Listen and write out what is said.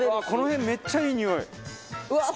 この辺めっちゃいいにおい。